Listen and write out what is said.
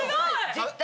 絶対。